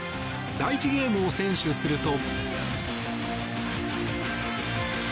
第１ゲームを先取すると。